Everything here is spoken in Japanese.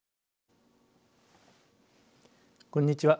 こんにちは。